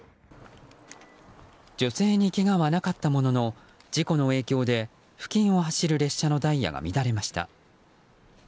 女性に、けがはなかったものの事故の影響で付近を走る列車のダイヤが乱れました。